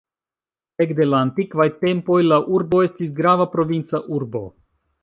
Ekde la antikvaj tempoj la urbo estis grava provinca urbo.